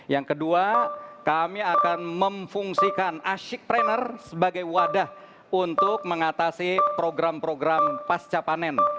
yang kedua kami akan memfungsikan asyik trainer sebagai wadah untuk mengatasi program program pasca panen